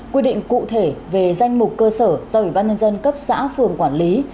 quy định cụ thể về danh mục cơ sở do ủy ban nhân dân cấp xã phường quản lý